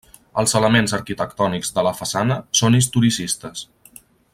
Els elements arquitectònics de la façana són historicistes.